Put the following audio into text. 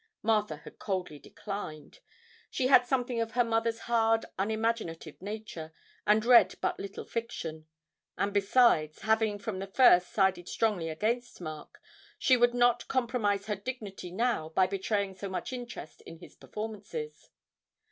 Martha had coldly declined. She had something of her mother's hard, unimaginative nature, and read but little fiction; and besides, having from the first sided strongly against Mark, she would not compromise her dignity now by betraying so much interest in his performances.